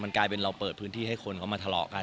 มันเปิดมาให้คนเขามาถล่อกัน